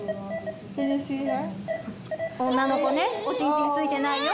女の子ねおちんちんついてないよ